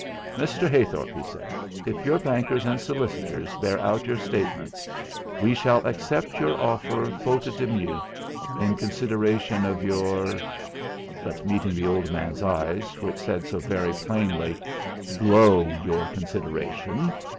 "Mr. Heythorp," he said, "if your bankers and solicitors bear out your statements, we shall accept your offer faute de mieux, in consideration of your " but meeting the old man's eyes, which said so very plainly: "Blow your consideration!"